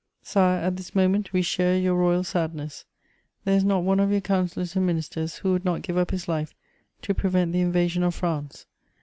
"Sire, at this moment we share your royal sadness; there is not one of your councillors and ministers who would not give up his life to prevent the invasion of France.